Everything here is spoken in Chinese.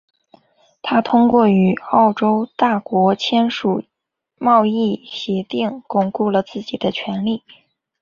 他通过与欧洲大国签署贸易协定巩固了自己的权力。